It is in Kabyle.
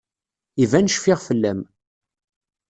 Iban cfiɣ fell-am.